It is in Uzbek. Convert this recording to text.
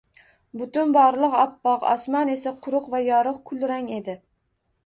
Butun borliq oppoq, osmon esa quruq va yorugʻ, kulrang edi.